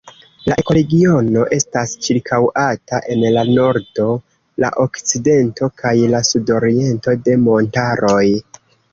La ekoregiono estas ĉirkaŭata en la nordo, la okcidento kaj la sudoriento de montaroj.